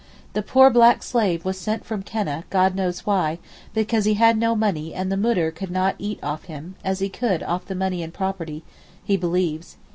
The poor black slave was sent back from Keneh, God knows why—because he had no money and the Moudir could not 'eat off him' as he could off the money and property—he believes.